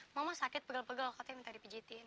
mama sakit pegal pegal katanya minta dipijitin